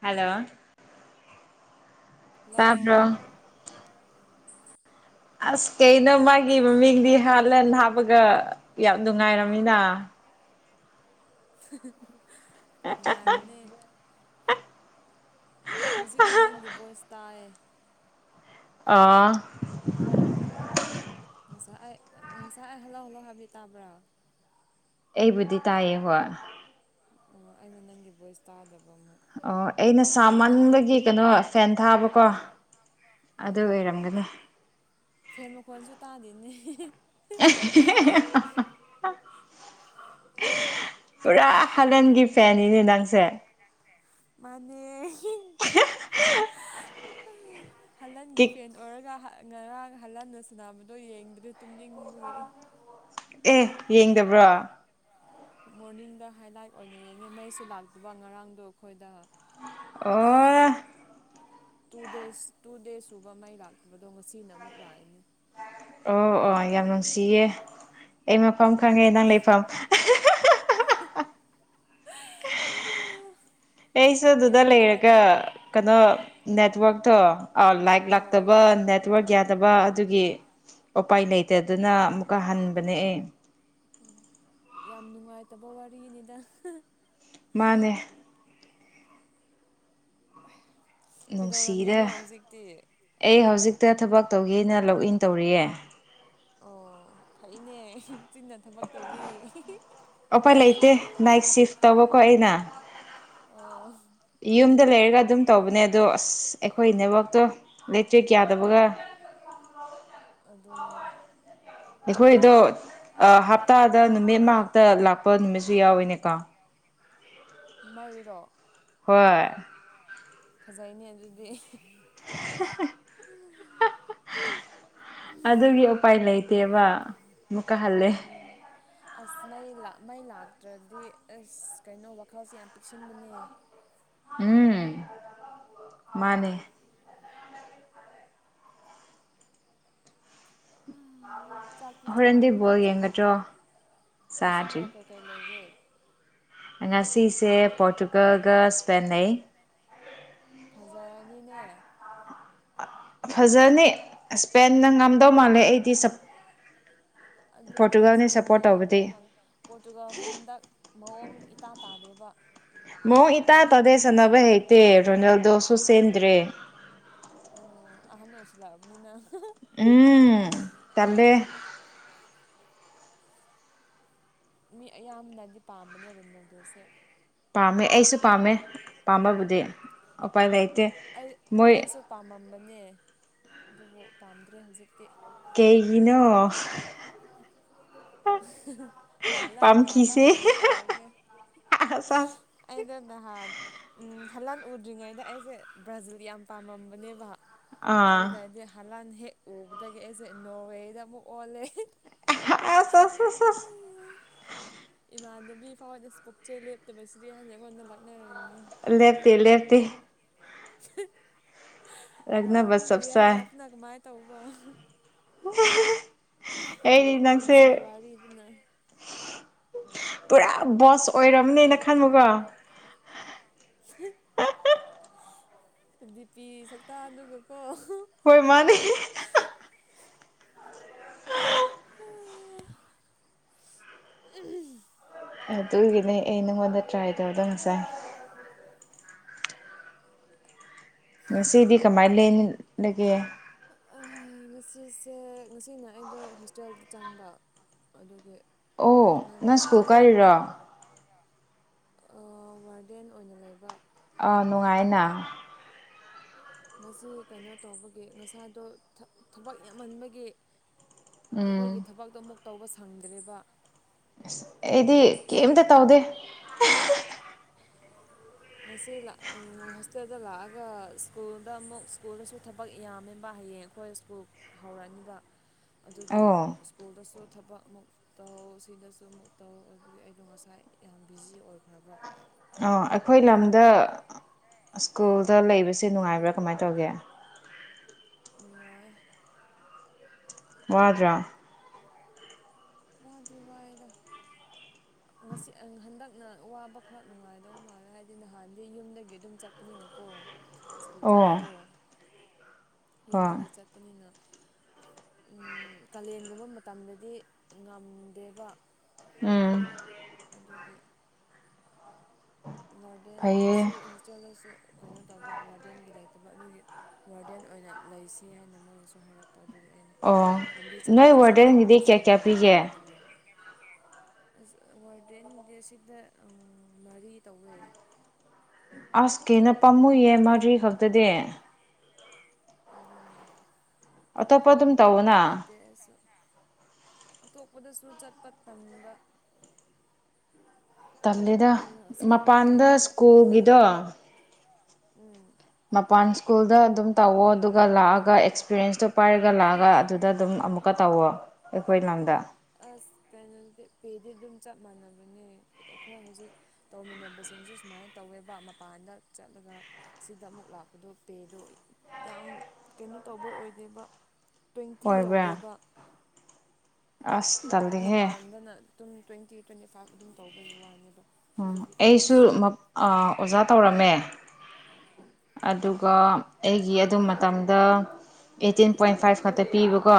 hello hello ꯇꯥꯕ꯭ꯔꯣ ꯑꯁ ꯀꯩꯅꯣ ꯃꯥꯒꯤ ꯃꯃꯤꯡꯗꯤ ꯍꯥꯥꯟꯂꯦꯟ ꯍꯥꯞꯄꯒ ꯌꯥꯝ ꯅꯨꯡꯉꯥꯏꯔꯝꯃꯤꯅ [unintelligible] ꯅꯨꯡꯉꯥꯏꯕꯅꯦ ꯍꯧꯖꯤꯛꯅ ꯅꯪꯒꯤ ꯚꯣꯏꯁ ꯇꯥꯏꯌꯦ ꯑꯥ ꯉꯁꯥꯏ ꯑꯩ ꯉꯁꯥꯏ ꯑꯩ ꯍꯜꯂꯥꯎ ꯍꯜꯂꯥꯎ ꯍꯥꯏꯕꯤ ꯇꯥꯕ꯭ꯔꯣ ꯑꯩꯕꯨꯗꯤ ꯇꯥꯏꯌꯦ ꯍꯣꯏ ꯑꯣ ꯑꯩꯅ ꯅꯪꯒꯤ ꯚꯣꯏꯁ ꯇꯥꯗꯕ ꯑꯃꯨꯛ ꯑꯣ ꯑꯩꯅ ꯁꯥꯃꯟꯕꯒꯤ ꯀꯩꯅꯣ ꯐꯦꯟ ꯊꯥꯕꯀꯣ [unintelligible] ꯑꯗꯨ ꯑꯣꯏꯔꯝꯒꯅꯤ ꯐꯦꯟ ꯃꯈꯣꯟꯁꯨ ꯇꯥꯗꯦꯅꯦ ꯄꯨꯔꯥ ꯍꯂꯟꯒꯤ ꯐꯦꯟꯅꯤꯅꯦ ꯅꯪꯁꯦ ꯅꯪꯁꯦ [unintelligible] ꯃꯥꯅꯦ [unintelligible] [unintelligible] ꯍꯜꯂꯟꯒꯤ ꯀꯤꯛ ꯐꯦꯟ ꯑꯣꯏꯔꯒ ꯉꯔꯥꯡ ꯍꯜꯍꯟꯅ ꯁꯥꯟꯅꯕꯗꯣ ꯌꯦꯡꯗ꯭ꯔꯤ ꯇꯨꯝꯅꯤꯡꯕꯒꯤ ꯑꯦ ꯌꯦꯡꯗꯕ꯭ꯔꯥ ꯃꯣꯔꯅꯤꯡꯗ ꯍꯥꯏꯂꯥꯏꯠ ꯑꯣꯏꯅ ꯌꯦꯡꯉꯤ ꯃꯩꯁꯨ ꯂꯥꯛꯇꯕ ꯉꯔꯥꯡꯗꯣ ꯑꯩꯈꯣꯏꯗ ꯑꯣ ꯑꯁ ꯇꯨ ꯗꯦꯖ ꯇꯨ ꯗꯦꯖ ꯁꯨꯕ ꯃꯩ ꯂꯥꯛꯇꯕꯗꯣ ꯉꯁꯤꯅ ꯑꯃꯨꯛ ꯂꯥꯛꯏꯅꯦ ꯑꯣ ꯑꯣ ꯌꯥꯝ ꯕꯦꯔꯥꯅꯤ ꯅꯨꯡꯁꯤꯌꯦ ꯑꯩ ꯃꯐꯝ ꯈꯪꯉꯦ ꯅꯪ ꯂꯩꯐꯝ [unintelligible] ꯑꯩꯁꯨ ꯑꯗꯨꯗ ꯌꯥꯝ ꯂꯩꯔꯒ ꯅꯨꯡꯉꯥꯏꯇꯦ ꯀꯩꯅꯣ ꯅꯦꯠꯋ꯭ꯔꯥꯛꯇꯣ ꯑꯣ ꯂꯥꯏꯇ ꯑꯥ ꯂꯥꯛꯇꯕ ꯅꯦꯠ [unintelligible] ꯌꯥꯗꯕ ꯑꯗꯨꯒꯤ ꯎꯄꯥꯏ ꯂꯩꯇꯗꯅ ꯑꯃꯨꯛꯀ ꯍꯟꯕꯅꯦ ꯑꯦ ꯑꯣ ꯌꯥꯝ ꯅꯨꯡꯉꯥꯏꯇꯕ ꯋꯥꯔꯤꯅꯤꯗ ꯃꯥꯅꯦ ꯅꯨꯡꯁꯤꯗ ꯀꯩꯗꯧꯔꯝꯃꯤꯅꯣ ꯍꯧꯖꯤꯛꯇꯤ ꯑꯩ ꯍꯧꯖꯤꯛꯇ ꯊꯕꯛ ꯇꯧꯒꯦꯅ ꯂꯣꯛꯏꯟ ꯇꯧꯔꯤꯌꯦ ꯑꯣ ꯐꯩꯅꯦ ꯇꯤꯟꯅ ꯊꯕꯛ ꯇꯧꯕꯋ ꯎꯄꯥꯏ ꯂꯩꯇꯦ ꯅꯥꯏꯠ ꯁꯤꯐ ꯇꯧꯕꯀꯣ ꯎꯝ ꯑꯩꯅ ꯑꯣ ꯌꯨꯝꯗ ꯂꯩꯔꯒ ꯑꯗꯨꯝ ꯇꯧꯕꯅꯦ ꯑꯗꯣ ꯑꯁ ꯑꯩꯈꯣꯏ ꯅꯦꯋꯥ꯭ꯔꯛꯇꯣ ꯏꯂꯦꯛꯇ꯭ꯔꯤꯛ ꯌꯥꯗꯕꯒ ꯑꯗꯨꯅꯦ ꯑꯩꯈꯣꯏꯗꯣ ꯍꯞꯇꯥꯗ ꯅꯨꯃꯤꯠ ꯉꯥꯛꯇ ꯂꯥꯛꯄ ꯅꯨꯃꯤꯠꯁꯨ ꯌꯥꯎꯋꯤꯅꯦꯀꯣ ꯃꯩꯔꯣ ꯍꯣꯏ ꯐꯖꯩꯅꯦ ꯑꯗꯨꯗꯤ [unintelligible] ꯑꯗꯨꯒꯤ ꯎꯄꯥꯏ ꯂꯩꯇꯦꯕ ꯑꯃꯨꯛꯀ ꯍꯜꯂꯦ ꯎꯝ ꯑꯁ ꯃꯩ ꯃꯩ ꯂꯥꯛꯇ꯭ꯔꯗꯤ ꯑꯁ ꯀꯩꯅꯣ ꯋꯥꯈꯜꯁꯦ ꯌꯥꯝ ꯄꯤꯛꯁꯤꯟꯕꯅꯦ ꯎꯝ ꯃꯥꯅꯦ ꯆꯥꯛꯇꯤ ꯍꯣꯔꯦꯟꯗꯤ ꯆꯥꯔꯕꯣ ꯕꯣꯜ ꯆꯦꯗꯤ ꯌꯦꯡꯒꯗ꯭ꯔꯣ ꯉꯁꯤ ꯆꯥꯗ꯭ꯔꯤ ꯕꯣꯜ ꯀꯩꯀꯩ ꯂꯩꯒꯦ ꯉꯁꯤꯁꯦ ꯑꯩꯗꯤ ꯄꯣꯔꯇꯨꯒꯜꯒ ꯏꯁꯄꯦꯟꯅꯩ ꯐꯖꯔꯅꯤꯅꯦ ꯐꯖꯅꯤ ꯏꯁꯄꯦꯟꯅ ꯉꯝꯗꯧ ꯃꯥꯜꯂꯦ ꯑꯩꯗꯤ ꯑꯗꯨꯅꯦ ꯄꯣꯔꯇꯨꯒꯜꯅꯤ ꯏꯁꯄꯦꯟꯅ ꯁꯞꯄꯣꯔꯠ ꯇꯧꯕꯗꯤ ꯉꯝꯗꯧ ꯃꯥꯜꯂꯦ ꯄꯣꯔꯇꯨꯒꯥꯜꯁꯦ ꯍꯟꯗꯛ ꯃꯑꯣꯡ ꯏꯇꯥ ꯇꯥꯗꯦꯕ ꯃ ꯏꯇ ꯇꯗꯦꯁꯅꯕ ꯍꯩꯇꯦ ꯔꯣꯅꯥꯜꯗꯣ ꯁꯨꯁꯦꯟꯟ꯭ꯔꯦ ꯑꯣ ꯑꯍꯥꯅꯁꯤ ꯑꯅꯤꯅ ꯎꯝ ꯇꯜꯂꯦ ꯃꯤ ꯑꯌꯥꯝꯕꯅꯗꯤ ꯄꯥꯝꯕꯅꯦ ꯔꯨꯅꯥꯗꯣꯁꯦ ꯄꯥꯝꯃꯦ ꯑꯩꯁꯨ ꯄꯥꯝꯃꯦ ꯄꯥꯝꯕꯕꯨꯗꯤ ꯎꯄꯥꯏ ꯂꯩꯇꯦ ꯑꯩ ꯃꯣꯏ ꯑꯩꯁꯨ ꯄꯥꯝꯃꯝꯕꯅꯦ ꯑꯗꯨꯕꯨ ꯄꯥꯝꯗ꯭ꯔꯦ ꯍꯧꯖꯤꯛꯇꯤ ꯀꯩꯒꯤꯅꯣ ꯍꯥꯥꯟꯍꯟ ꯍꯥ ꯂꯟ ꯑꯣꯏꯅ ꯇꯧꯔꯒꯦ ꯑ ꯑꯩꯅ ꯅꯍꯥꯟ ꯍꯂꯥꯟ ꯎꯗ꯭ꯔꯤꯉꯩꯗ ꯑꯩꯁꯦ ꯕ꯭ꯔꯥꯖꯤꯜ ꯌꯥꯝ ꯄꯥꯝꯃꯝꯕꯅꯦꯕ ꯑꯥ ꯑꯗꯨꯅꯗꯤ ꯍꯂꯥꯟ ꯍꯦꯛ ꯎꯕꯗꯒꯤ ꯑꯩꯁꯦ ꯅꯣꯔꯋꯦꯗ ꯑꯃꯨꯛ ꯑꯣꯜꯂꯦ ꯑ ꯑ ꯍ ꯏꯃꯥꯟꯅꯕꯤ ꯐꯥꯎꯗꯁꯨ ꯄꯣꯛꯆꯩ ꯂꯦꯞꯇꯕꯁꯤꯗꯤ ꯍꯟꯗꯛ ꯍꯟꯅ ꯂꯥꯛꯅꯔꯝꯃꯤꯅꯦ ꯂꯦꯞꯇꯦ ꯂꯦꯞꯇꯦ ꯔꯛꯅꯕ ꯍꯣꯏ ꯆꯞ ꯔꯤꯌꯦꯜ ꯆꯥꯏ ꯂꯥꯏꯐꯅ ꯀꯃꯥꯏꯅ ꯇꯧꯕ ꯑꯩꯗꯤ ꯅꯪꯁꯦ ꯄꯨꯟꯁꯤ ꯋꯥꯔꯤꯗꯨꯅ ꯄꯨꯔꯥ ꯕꯣꯁ ꯑꯣꯏꯔꯝꯅꯦꯅ ꯈꯟꯃꯨꯒ ꯅ ꯈꯟꯉꯨꯀꯣ [unintelligible] ꯗꯤꯄꯤ ꯁꯛꯇ ꯑꯗꯨꯒꯀꯣ ꯍꯣꯏ ꯃꯥꯅꯦ ꯃꯥꯅꯤ ꯑ ꯎꯝ ꯑꯗꯨꯒꯤꯅꯦ ꯑꯩ ꯅꯪꯉꯣꯟꯗ ꯇ꯭ꯔꯥꯏ ꯇꯧꯗꯣ ꯉꯁꯥꯏ ꯉꯁꯤꯗꯤ ꯀꯃꯥꯏꯅ ꯂꯦꯟꯂꯒꯦ ꯉꯁꯤꯁꯦ ꯉꯁꯤꯅ ꯑꯩꯗꯣ ꯍꯣꯁꯇꯦꯜꯗ ꯆꯪꯕ ꯑꯗꯨꯒꯤ ꯑꯣ ꯅꯪ ꯁ꯭ꯀꯨꯜ ꯉꯁꯥꯏꯗꯤ ꯀꯥꯔꯤꯔꯣ ꯑꯥ ꯋꯥꯔꯗꯦꯟ ꯑꯣꯏꯅ ꯂꯩꯕ ꯑꯥ ꯅꯨꯡꯉꯥꯏꯅ ꯉꯁꯤ ꯀꯩꯅꯣ ꯇꯧꯕꯒꯤ ꯉꯁꯥꯏꯗꯣ ꯊꯕꯛ ꯌꯥꯝꯃꯟꯕꯒꯤ ꯑꯩꯈꯣꯏꯒꯤ ꯎꯝ ꯊꯕꯛꯇꯣ ꯑꯃꯨꯛ ꯇꯧꯕ ꯁꯪꯗ꯭ꯔꯦꯕ ꯑꯁ ꯑꯩꯗꯤ ꯀꯩꯝꯇ ꯇꯧꯗꯦ ꯉꯁꯤ ꯍꯣꯁꯇꯦꯜꯗ ꯂꯥꯛꯑꯒ ꯁ꯭ꯀꯨꯜꯗ ꯑꯃꯨꯛ ꯁ꯭ꯀꯨꯜꯗꯁꯨ ꯊꯕꯛ ꯌꯥꯝꯃꯦꯕ ꯍꯌꯦꯡ ꯑꯩꯈꯣꯏ ꯁ꯭ꯀꯨꯜ ꯍꯧꯔꯛꯑꯅꯤꯕ ꯑꯗꯨꯒꯤ ꯑꯣ ꯁ꯭ꯀꯨꯜꯗꯁꯨ ꯊꯕꯛ ꯃꯨꯛ ꯇꯧ ꯁꯤꯗꯁꯨ ꯑꯃꯨꯛ ꯇꯧꯕꯒꯤ ꯑꯩꯗꯣ ꯉꯁꯥꯏ ꯌꯥꯝ ꯕꯤꯖꯤ ꯑꯣꯏꯈ꯭ꯔꯕ ꯑꯣ ꯑꯩꯈꯣꯏ ꯑꯗꯨꯒꯤ ꯂꯝꯗ ꯁ꯭ꯀꯨꯜꯗ ꯂꯩꯕꯁꯤ ꯅꯨꯡꯉꯥꯏꯕ꯭ꯔꯥ ꯀꯃꯥꯏ ꯇꯧꯒꯦ ꯅꯨꯡꯉꯥꯏ ꯋꯥꯗ꯭ꯔꯥ ꯋꯥꯗꯤ ꯋꯥꯏꯗꯥ [unintelligible] ꯉꯁꯤ ꯍꯟꯗꯛꯅ ꯋꯥꯕ ꯈꯔ ꯅꯨꯡꯉꯥꯏꯗꯧ ꯃꯥꯜꯂꯦ ꯍꯥꯏꯗꯤ ꯅꯍꯥꯟꯗꯤ ꯌꯨꯝꯗꯒꯤ ꯑꯗꯨꯝ ꯆꯥꯠ ꯄꯅꯤꯅꯀꯣ ꯁ꯭ꯀꯨꯜ ꯑꯣ ꯆꯠꯄꯗꯣ ꯍꯣꯏ ꯌꯨꯝꯗꯒꯤ ꯆꯠ ꯄꯅꯤꯅ ꯀꯥꯂꯦꯟꯒꯨꯝꯕ ꯃꯇꯝꯗꯗꯤ ꯉꯝꯗꯦꯕ ꯎꯝ ꯑꯗꯨꯒꯤ ꯋꯥꯔꯗꯦꯟ ꯐꯩꯌꯦ ꯑꯁꯤ ꯍꯣꯁꯇꯦꯜꯗꯁꯨ ꯀꯩꯅꯣ ꯇꯧꯕ ꯋꯥꯔꯗꯦꯟꯒꯤ ꯂꯩꯇꯕ ꯑꯗꯨꯒꯤ ꯋꯥꯔꯗꯦꯟ ꯑꯣꯏꯅ ꯂꯩꯁꯤ ꯍꯥꯏꯅ ꯃꯣꯏꯅꯁꯨ ꯍꯥꯏꯔꯛꯄ ꯑꯗꯨꯒꯤ ꯑꯩꯅ ꯑꯣ ꯂꯝꯕꯤ ꯆꯠ ꯆꯠꯊꯣꯛ ꯅꯣꯏ ꯆꯠꯁꯤꯟ ꯋꯥꯔꯗꯦꯟꯒꯤꯗꯤ ꯇꯧꯕꯗꯁꯨ ꯀꯌꯥ ꯀꯌꯥ ꯄꯤꯒꯦ ꯅꯨꯡꯉꯥꯏꯇꯦꯅ ꯑꯩꯅ ꯂꯩꯕ ꯑꯁ ꯋꯥꯔꯗꯦꯟꯗꯤ ꯁꯤꯗ ꯃꯔꯤ ꯇꯧꯋꯦ ꯑꯁ ꯀꯦꯅ ꯄꯥꯝꯃꯨꯏꯌꯦ ꯃꯥꯗ꯭ꯔꯤ ꯈꯛꯇꯗꯤ ꯑꯗꯨꯅꯦ ꯑꯣꯞꯄꯗꯨꯝ ꯎꯄꯥꯏ ꯂꯩꯇꯦ ꯑꯩꯁꯨ ꯑꯇꯣꯞꯄꯗꯁꯨ ꯆꯠꯄ ꯇꯟꯕ ꯇꯜꯂꯗ ꯑꯁꯤ ꯃꯄꯥꯟꯗ ꯀꯩꯅꯣꯒ ꯁ꯭ꯀꯨꯜꯒꯤꯗꯣ [unintelligible] ꯎꯝ ꯃꯄꯥꯟ ꯁ꯭ꯀꯨꯜꯗ ꯑꯗꯨꯝ ꯇꯧꯋꯣ ꯑꯗꯨꯒ ꯂꯥꯛꯑꯒ ꯑꯦꯛꯁꯄꯤꯔꯦꯟꯁꯇꯣ ꯄꯥꯏꯔꯒ ꯂꯥꯛꯑꯒ ꯑꯗꯨꯗ ꯑꯗꯨꯝ ꯑꯃꯨꯛ ꯀ ꯇꯧꯋꯣ ꯑꯩꯈꯣꯏ ꯂꯝꯗ ꯑꯁ ꯀꯩꯅꯣꯗꯤ ꯄꯦꯗꯤ ꯑꯗꯨꯝ ꯆꯞ ꯃꯥꯟꯅꯕꯅꯦ ꯑꯩꯈꯣꯏ ꯍꯧꯖꯤꯛ ꯇꯧꯃꯤꯟꯅꯕꯁꯤꯡꯁꯨ ꯁꯨꯃꯥꯏꯅ ꯇꯧꯋꯦꯕ ꯃꯄꯥꯟꯗ ꯆꯠꯂꯒ ꯁꯤꯗ ꯑꯃꯨꯛ ꯂꯥꯛꯄꯗꯨ ꯄꯦꯗꯣ ꯌꯥꯝ ꯀꯩꯅꯣ ꯇꯧꯕ ꯑꯣꯏꯗꯦꯕ ꯇ꯭ꯋꯦꯟꯇꯤ ꯑꯣꯏꯕ꯭ꯔꯥ ꯌꯧꯗꯦꯕ ꯑꯁ ꯇꯜ ꯃꯄꯥꯟꯗꯅ ꯑꯗꯨꯝ ꯇ꯭ꯋꯦꯟꯇꯤ ꯇ꯭ꯋꯦꯟꯇꯤ ꯐꯥꯏꯚ ꯑꯗꯨꯝ ꯇꯧꯕꯒꯤ ꯋꯥꯅꯦꯕ ꯁꯤꯗꯗꯤ ꯑꯩꯁꯨ ꯏꯁ ꯑꯣꯖꯥ ꯇꯧꯔꯝꯃꯦ ꯑꯗꯨꯒ ꯑꯩꯒꯤ ꯑꯗꯨꯝ ꯃꯇꯝꯗ ꯑꯩꯠꯇꯤꯟ ꯄꯣꯏꯟ ꯐꯥꯏꯚ ꯈꯛꯇ ꯄꯤꯕ ꯀꯣ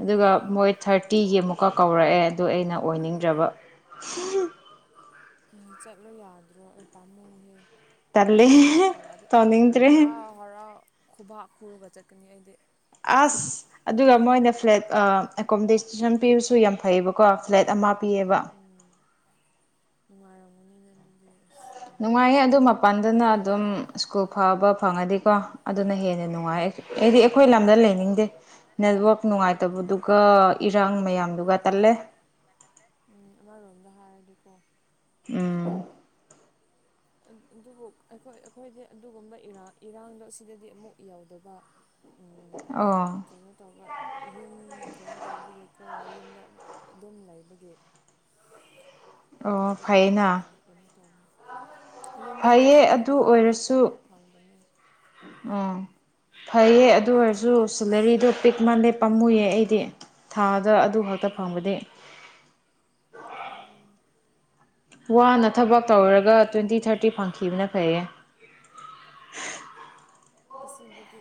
ꯑꯗꯨꯒ ꯑꯣ ꯃꯣꯏ ꯊꯥꯔꯇꯤꯒꯤ ꯑꯃꯨꯛꯀ ꯀꯧꯔꯛꯑꯦ ꯑꯗꯨ ꯑꯩꯅ ꯑꯣꯏꯅꯤꯡꯗ꯭ꯔꯕ ꯎꯝ ꯆꯠꯂꯣ ꯌꯥꯗ꯭ꯔꯣ ꯑꯩ ꯄꯥꯝꯃꯨꯍꯦ ꯇꯜꯂꯦ ꯑꯩꯉꯣꯟꯗꯒ ꯀꯧꯔꯛꯑꯗꯤ ꯇꯧꯅꯤꯡꯗ꯭ꯔꯦ ꯍꯔꯥꯎ ꯍꯔꯥꯎ ꯈꯨꯕꯥꯛ ꯈꯨꯔꯒ ꯆꯠꯀꯅꯤ ꯑꯩꯗꯤ ꯑꯁ ꯑꯗꯨꯒ ꯃꯣꯏꯅ ꯐ꯭ꯂꯦꯠ ꯑꯦꯀꯣꯃꯣꯗꯦꯁꯟ ꯄꯤꯕꯁꯨ ꯌꯥꯝ ꯐꯩꯌꯦꯕꯀꯣ ꯐ꯭ꯂꯦꯠ ꯑꯃ ꯄꯤꯌꯦꯕ ꯎꯝ [unintelligible] ꯅꯨꯡꯉꯥꯏꯔꯝꯒꯅꯤꯅꯦ ꯑꯗꯨꯗꯤ ꯑꯁ ꯅꯨꯡꯉꯥꯏꯌꯦ ꯄꯥꯝꯃꯨꯏꯅꯦ ꯑꯗꯨ ꯃꯄꯥꯟꯗꯅ ꯑꯗꯨꯝ ꯁ꯭ꯀꯨꯜ ꯐꯕ ꯐꯪꯉꯗꯤꯀꯣ ꯑꯗꯨꯅ ꯍꯦꯟꯅ ꯅꯨꯡꯉꯥꯏ ꯑꯩꯗꯤ ꯑꯩꯈꯣꯏ ꯂꯝꯗ ꯂꯩꯅꯤꯡꯗꯦ ꯅꯦꯠꯋꯥꯛ ꯅꯨꯡꯉꯥꯏꯇꯕꯗꯨꯒ ꯏꯔꯥꯡ ꯃꯌꯥꯝꯗꯨꯒ ꯇꯜꯂꯦ ꯎꯝ ꯑꯃꯔꯣꯝꯗ ꯍꯥꯏꯔꯗꯤꯀꯣ ꯎꯝ ꯑꯗꯨꯕꯨ ꯑꯩꯈꯣꯏ ꯑꯩꯈꯣꯏꯗꯤ ꯑꯗꯨꯒꯨꯝꯕꯔ ꯏꯔꯥꯡꯗꯣ ꯁꯤꯗꯗꯤ ꯑꯃꯨꯛ ꯌꯧꯗꯕ ꯑꯨꯝ ꯑꯣ ꯀꯩꯅꯣ ꯇꯧꯕ ꯌꯨꯝ ꯀꯩꯅꯣ ꯇꯧꯕꯒꯤꯀꯣ ꯌꯨꯝꯗ ꯑꯗꯨꯝ ꯂꯩꯕꯒꯤ ꯑꯣ ꯏꯔꯥꯟꯗꯤ ꯐꯩꯌꯦꯅ ꯀꯌꯥ ꯀꯩꯅꯣ ꯇꯧꯔꯤ ꯌꯨꯝꯗ ꯐꯩꯌꯦ ꯂꯩꯕꯒꯤ ꯑꯗꯨꯝ ꯀꯩꯅꯣ ꯇꯧꯕ ꯐꯪꯕꯅꯤ ꯑꫭ ꯐꯩꯌꯦ ꯑꯗꯨ ꯑꯣꯏꯔꯁꯨ ꯅꯠꯇ꯭ꯔꯗꯤ ꯏꯁ ꯁꯦꯂꯔꯤꯗꯣ ꯄꯤꯛ ꯃꯥꯜꯂꯦ ꯄꯥꯝꯃꯨꯌꯦ ꯑꯩꯗꯤ ꯊꯥꯗ ꯑꯗꯨ ꯈꯛꯇ ꯎꯝ ꯐꯪꯕꯗꯤ ꯑꯗꯨꯅꯤ ꯋꯥꯅ ꯊꯕꯛ ꯇꯧꯔꯒ ꯇ꯭ꯋꯦꯟꯇꯤ ꯊꯥꯔꯇꯤ ꯐꯪꯈꯤꯕꯅ ꯐꯩꯌꯦ ꯑꯁꯤꯗꯗꯤ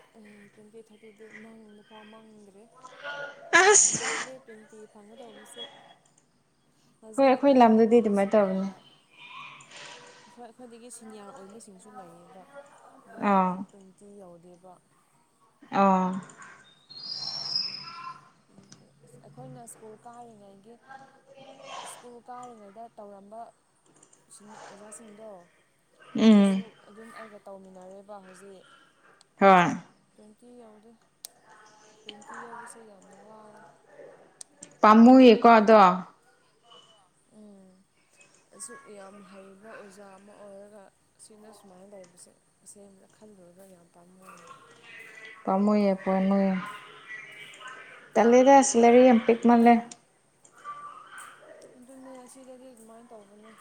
ꯇ꯭ꯋꯦꯟꯇꯤ ꯊꯥꯔꯇꯤꯗꯤ ꯃꯪ ꯅꯨꯄꯥ ꯃꯪꯗ꯭ꯔꯦ ꯌꯥꯝ ꯑꯁ ꯋꯥꯠꯂꯦ ꯇ꯭ꯋꯦꯟꯇꯤ ꯐꯪꯒꯗꯧꯕꯁꯦ ꯍꯣꯏ ꯍꯧꯖꯤꯛ ꯑꯩꯈꯣꯏ ꯂꯝꯗꯗꯤ ꯑꯩꯈꯣꯏꯒꯤ ꯑꯗꯨꯃꯥꯏꯅ ꯇꯧꯕꯅꯦ ꯁꯤꯅꯤꯌꯥꯔ ꯑꯈꯣꯏ ꯑꯩꯈ꯭ꯣꯏꯗꯒꯤ ꯁꯤꯅꯤꯌꯥꯔ ꯑꯣꯏꯕꯁꯤꯡꯁꯨ ꯂꯩꯌꯦꯕ ꯑꯗꯨ ꯑꯥ ꯃꯣꯏꯗꯁꯨ ꯇꯤ ꯌꯧꯗꯦꯕ ꯑꯣ ꯑꯗꯨꯗꯤ ꯑꯩꯈꯣꯏꯅ ꯁ꯭ꯀꯨꯜ ꯀꯥꯔꯤꯉꯩꯒꯤ ꯁ꯭ꯀꯨꯜ ꯀꯥꯔꯤꯉꯩꯗ ꯇꯧꯔꯝꯕ ꯑꯣꯖꯥꯁꯤꯡꯗꯣ ꯎꯝ ꯑꯗꯨꯁꯨ ꯑꯗꯨꯝ ꯑꯩꯒ ꯇꯧꯃꯤꯟꯅꯔꯦꯕ ꯍꯧꯖꯤꯛ ꯍꯣꯏ ꯇ꯭ꯋꯦꯟꯇꯤ ꯌꯧꯗꯦ ꯇ꯭ꯋꯦꯟꯇꯤ ꯌꯧꯕꯁꯦ ꯌꯥꯝ ꯋꯥꯏ ꯄꯥꯃꯨ ꯌꯦꯀꯗꯣ ꯎꯝ ꯑꯁꯨꯛ ꯌꯥꯝ ꯍꯩꯕ ꯑꯣꯖꯥ ꯑꯃ ꯑꯣꯏꯔꯒ ꯁꯤꯅ ꯁꯨꯃꯥꯏꯅ ꯇꯧꯕꯁꯦ ꯑꯁꯦꯡꯕꯗ ꯈꯜꯗꯂꯨꯔꯒ ꯌꯥꯝ ꯄꯥꯝꯃꯨꯏ ꯄꯥꯃꯨꯏꯌꯦꯀꯣ ꯅꯣꯏ ꯇꯜꯂꯦꯗ ꯑꯁ ꯂꯥꯏꯔꯤꯛꯌꯥꯝ ꯄꯤꯛꯃꯜꯂꯦ ꯑꯗꯨꯅꯦ ꯑꯁꯤꯗꯗꯤ ꯑꯗꯨꯃꯥꯏꯅ ꯇꯧꯕꯅꯦ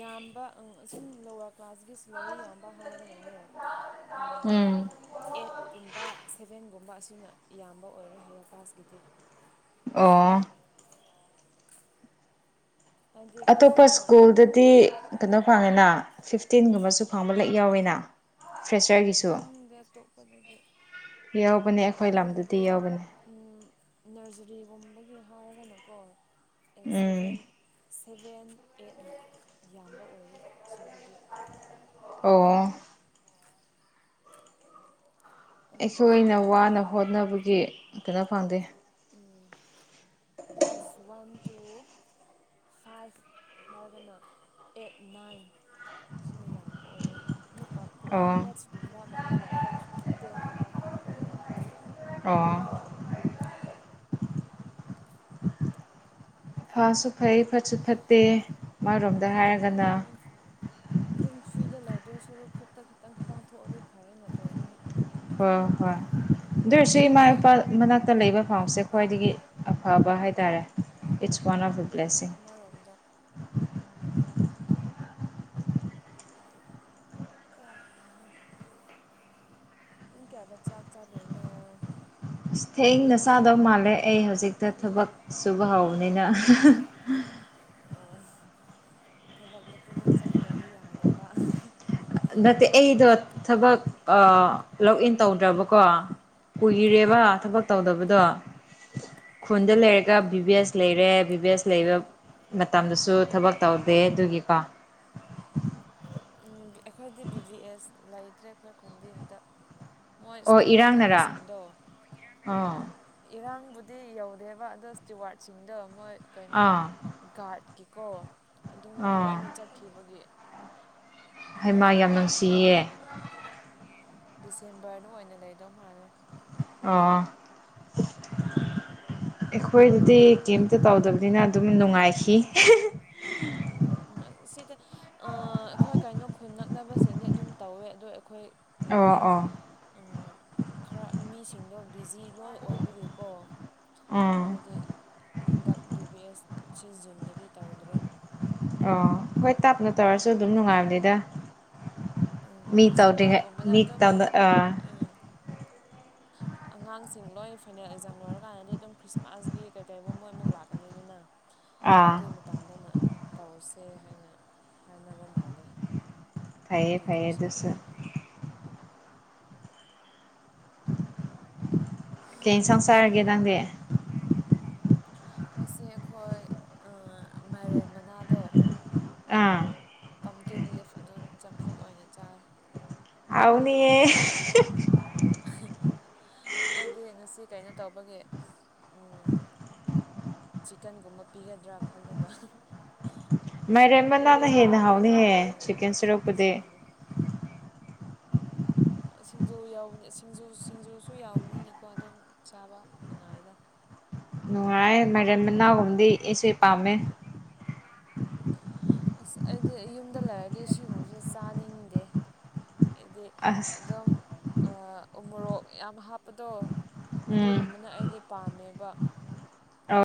ꯌꯥꯝꯕ ꯑꯁꯨꯝ ꯂꯋꯥꯔ ꯀ꯭ꯂꯥꯁꯀꯤ ꯁꯂꯔꯤ ꯌꯥꯝꯕ ꯍꯥꯏꯔꯒꯅꯅꯦ ꯎ ꯎꯝ ꯑꯩꯠ ꯀꯨꯝꯕ ꯁꯚꯦꯟꯒꯨꯝꯕ ꯑꯁꯤꯅ ꯌꯥꯝꯕ ꯑꯣꯏꯔꯦ ꯍꯥꯏꯌꯔ ꯀ꯭ꯂꯥꯁꯀꯤꯗꯤ ꯑꯣ ꯍꯥꯏꯗꯤ ꯑꯇꯣꯞꯄ ꯑꯗꯨꯝ ꯁ꯭ꯀꯨꯜꯗꯗꯤ ꯀꯩꯅꯣ ꯐꯪꯉꯦꯅ ꯐꯤꯐꯇꯤꯟꯒꯨꯝꯕꯁꯨ ꯐꯪꯕ ꯂꯦꯛ ꯌꯥꯎꯋꯤꯅ ꯐ꯭ꯔꯦꯁꯔꯒꯤꯁꯨ ꯈꯪꯗꯦ ꯑꯇꯣꯞꯄꯗꯗꯤ ꯌꯥꯎꯕꯅꯦ ꯑꯩꯈꯣꯏ ꯂꯝꯗꯨꯗꯤ ꯑꯩꯈꯣꯏꯗꯗꯤ ꯌꯥꯎꯕꯅꯦ ꯅꯔꯖꯔꯤꯒꯨꯝꯕꯒꯤ ꯍꯥꯏꯔꯒꯅꯀꯣ ꯁꯦꯚꯦꯟ ꯎꯝ ꯁꯚꯦꯟ ꯑꯩꯠꯅ ꯌꯥꯝꯕ ꯑꯣꯏꯌꯦ ꯁꯤꯗꯗꯤ ꯑꯣ ꯑꯗꯨꯒ ꯑꯩꯈꯣꯏꯅ ꯋꯥꯅ ꯍꯣꯠꯅꯕꯒꯤ ꯀꯩꯅꯣ ꯐꯪꯗꯦ ꯎꯝ ꯀ꯭ꯂꯁ ꯋꯥꯟ ꯇꯨ ꯐꯥꯏꯚ ꯍꯥꯏꯔꯒꯅ ꯑꯦꯠ ꯅꯥꯏꯟ ꯁꯤꯅ ꯌꯥꯝꯕ ꯑꯣꯏꯔꯦ ꯑꯃꯨꯛꯀꯞ ꯄꯨꯔꯥ ꯑꯣ ꯃꯦꯠꯁꯀꯨꯝꯕ ꯀꯩꯅꯣ ꯂꯧꯔꯒꯅ ꯇꯦꯟ ꯑꯕꯞ ꯑꯃꯨꯛ ꯑꯣꯏꯕ ꯑ [inaudible] ꯐꯥꯁꯨ ꯐꯩ ꯐꯠꯁꯨ ꯐꯠꯇꯦ ꯑꯃꯔꯣꯝꯗ ꯎꯝ ꯍꯥꯏꯔꯒꯅ ꯑꯗꯨꯅꯦ ꯑꯗꯨꯝ ꯐ꯭ꯔꯤꯗ ꯂꯩꯗꯣꯏ ꯁꯔꯨꯛ ꯈꯨꯠꯇ ꯈꯤꯇꯪ ꯈꯤꯇꯪ ꯊꯣꯛꯑꯗꯤ ꯐꯩꯌꯦꯅ ꯇꯧꯕꯅꯤ ꯍꯣꯏ ꯍꯣꯏ ꯑꯗꯨ ꯑꯣꯏꯔꯁꯨ ꯏꯃꯥ ꯏꯄꯥ ꯃꯅꯥꯛꯇ ꯂꯩꯕ ꯐꯪꯕꯁꯦ ꯈ꯭ꯋꯥꯏꯗꯒꯤ ꯑꯐꯕ ꯍꯥꯏꯇꯥꯔꯦ ꯏꯠꯁ ꯋꯥꯟ ꯑꯣꯐ ꯎꯝ ꯗꯕ꯭ꯂꯦꯁꯁꯤꯡ ꯑꯃꯔꯣꯝꯗ ꯑꯩ ꯍꯥ ꯏ ꯀꯌꯥꯗ ꯆꯥꯛ ꯆꯥꯗꯣꯏꯅꯣ ꯊꯦꯡꯅ ꯆꯥꯗꯧ ꯃꯥꯜꯂꯦ ꯑꯩ ꯍꯧꯖꯤꯛꯇ ꯊꯕꯛ ꯁꯨꯕ ꯍꯧꯕꯅꯤꯅ ꯑ ꯊꯕꯛꯇ ꯄꯨꯛꯅꯤꯡ ꯆꯪꯗꯗꯤ ꯌꯥꯗꯕ ꯅꯠꯇꯦ ꯑꯩꯗꯣ ꯊꯕꯛ ꯂꯣꯛ ꯏꯟ ꯇꯧꯗ꯭ꯔꯕꯀꯣ ꯀꯨꯏꯔꯦꯕ ꯑꯣ ꯑꯣ ꯊꯕꯛ ꯇꯧꯗꯕꯗꯣ ꯈꯨꯟꯗ ꯑꯣ ꯑꯣ ꯂꯩꯔꯒ ꯑꯣ ꯚꯤꯚꯦꯁ ꯐꯣꯟꯗ ꯂꯩꯔꯦ ꯂꯩꯔꯒ ꯚꯤꯚꯁ ꯂꯩꯕ ꯕꯤꯖꯤꯅꯦꯁ ꯂꯩꯔꯦ ꯕꯤꯖꯤꯅꯦꯁ ꯃꯇꯝꯗꯁꯨ ꯂꯩꯔꯒ ꯊꯕꯛ ꯇꯧꯗꯦ ꯑꯗꯨꯒꯤꯀꯣ ꯎꯝ ꯑꯩꯈꯣꯏꯗꯤ ꯕꯤ ꯚꯤ ꯑꯦꯁ ꯂꯩꯇ꯭ꯔꯦ ꯑꯩꯈꯣꯏ ꯈꯨꯟꯗꯤ ꯍꯟꯗꯛ ꯃꯣꯏ ꯑꯣ ꯏꯁꯇꯤꯋꯥꯔ ꯏꯔꯥꯡꯅꯔꯥ ꯊꯝꯕꯁꯤꯡꯗꯣ ꯑꯥ ꯏꯔꯥꯡꯕꯨꯗꯤ ꯌꯧꯗꯦꯕ ꯑꯗꯣ ꯏꯁꯇꯤꯋꯥꯔꯗꯁꯤꯡꯗꯣ ꯃꯣꯏ ꯀꯩꯅꯣ ꯑꯥ ꯒꯥꯔꯗꯀꯤꯀꯣ ꯑꯗꯨꯝ ꯑꯥ ꯂꯣꯏꯅ ꯆꯠꯈꯤꯕꯒꯤ ꯃꯤ ꯍꯩꯃꯥ ꯌꯥꯝ ꯂꯩꯇ꯭ꯔꯕ ꯅꯨꯡꯁꯤꯌꯦ ꯑꯗꯨꯒꯤ ꯗꯤꯁꯦꯝꯕꯔꯗ ꯑꯣꯏꯅ ꯂꯩꯗꯧ ꯃꯥꯜꯂꯦ ꯑꯣ ꯑꯩꯈꯣꯏꯗꯗꯤ ꯀꯩꯝꯇ ꯇꯧꯗꯕꯅꯤꯅ ꯑꯗꯨꯝ ꯅꯨꯡꯉꯥꯏꯈꯤ ꯎꯝ ꯁꯤꯗ ꯑꯥ ꯑꯩꯈꯣꯏ ꯀꯩꯅꯣ ꯈꯨꯟ ꯅꯛꯅꯕꯁꯤꯡꯗꯤ ꯑꯗꯨꯝ ꯇꯧꯋꯦ ꯑꯗꯣ ꯑꯩꯈꯣꯏ ꯑꯣ ꯃꯤꯗꯤ ꯑꯣ ꯎꯝ ꯈꯔ ꯃꯤꯁꯤꯡꯗꯣ ꯕꯤꯖꯤ ꯂꯣꯏ ꯑꯣꯏꯕꯒꯤꯀꯣ ꯎꯝ ꯑꯩꯈꯣꯏꯗꯤ ꯍꯟꯗꯛ ꯚꯤ ꯕꯤ ꯑꯦꯁ ꯁꯤ ꯖꯨꯟꯗꯗꯤ ꯇꯧꯗ꯭ꯔꯦ ꯑꯣ ꯍꯣꯏ ꯇꯥꯞꯅ ꯇꯧꯔꯁꯨ ꯑꯗꯨꯝ ꯅꯨꯡꯉꯥꯏꯕꯅꯤꯗ ꯃꯤ ꯇꯧ꯭ꯔꯤꯉ ꯃꯤ ꯇꯥꯎꯗ ꯑ ꯎꯝ [unintelligible] ꯑꯉꯥꯡꯁꯤꯡ ꯂꯣꯏ ꯐꯥꯏꯅꯦꯜ ꯑꯦꯛꯖꯥꯝ ꯂꯣꯏꯔꯀꯥꯟꯗꯗꯤ ꯑꯗꯨꯝ ꯈ꯭ꯔꯤꯁꯃꯥꯁꯀꯤ ꯀꯩ ꯀꯩ ꯃꯣꯏꯃꯨꯛ ꯂꯥꯛꯀꯅꯤꯗꯅ ꯑꯥ ꯑꯗꯨꯏ ꯃꯇꯝꯗꯅ ꯇꯧꯁꯦ ꯍꯥꯏꯅ ꯍꯥꯏꯅꯕ ꯃꯥꯟꯂꯦ ꯐꯩꯌꯦ ꯐꯩꯌꯦ ꯑꯗꯨꯁꯨ ꯀꯩ ꯏꯟꯁꯥꯡ ꯆꯔꯒꯦ ꯅꯪꯗꯤ ꯆꯔꯒꯦ ꯅꯪꯗꯤ ꯉꯁꯤ ꯑꯩꯈꯣꯏ ꯃꯥꯏꯔꯦꯟ ꯃꯅꯥꯗꯣ ꯑꯥ ꯄꯝꯇꯤꯟ ꯂꯤꯐ ꯑꯗꯨ ꯆꯝꯐꯨꯠ ꯑꯣꯏꯅ ꯆꯥꯔꯦ ꯍꯥꯎꯅꯤꯌꯦ ꯍꯥꯎꯅꯤꯌꯦ ꯍꯥ ꯑꯩꯗꯤ ꯉꯁꯤ ꯀꯩꯅꯣ ꯇꯧꯕꯒꯤ ꯎꯝ ꯆꯤꯛꯀꯟꯒꯨꯝꯕ ꯄꯤꯒꯗ꯭ꯔꯥ ꯈꯜꯂꯒ ꯃꯥꯏꯔꯦꯟ ꯃꯅꯥꯅ ꯍꯦꯟꯅ ꯃꯥꯏꯔꯦꯟ ꯃꯅꯥ ꯍꯥꯎꯅꯤꯍꯦ ꯑꯣꯏꯅ ꯆꯤꯛꯀꯦꯟ ꯁꯔꯨꯛꯄꯨꯗꯤ ꯄꯤꯁꯤꯜꯂꯦ ꯁꯤꯡꯖꯨ ꯌꯥꯎꯕꯅꯤ ꯁꯤꯡꯖꯨ ꯁꯤꯡꯖꯨꯁꯨ ꯌꯥꯎꯕꯅꯤꯅꯀꯣ ꯑꯗꯨꯝ ꯆꯥꯕ ꯅꯨꯡꯉꯥꯏꯗ ꯅꯨꯡꯉꯥꯏ ꯃꯥꯢꯔꯦꯟ ꯃꯅꯥꯎꯒꯨꯝꯗꯤ ꯏꯁꯨ ꯄꯥꯝꯃꯦ ꯑꯁ ꯑꯩꯗꯤ ꯌꯨꯝꯗ ꯂꯩꯔꯗꯤ ꯁꯤꯒꯨꯝꯕꯁꯦ ꯆꯥꯅꯤꯡꯗꯦ ꯍꯥꯏꯗꯤ ꯑꯁ ꯑꯗꯨꯝ ꯎꯃꯣꯔꯣꯛ ꯌꯥꯝ ꯍꯥꯞꯄꯗꯣ ꯎꯝ ꯑꯗꯨꯒꯨꯝꯕꯅ ꯑꯩꯗꯤ ꯄꯥꯝꯃꯦꯕ ꯑꯣ